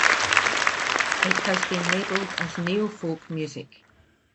It has been labeled as neofolk music.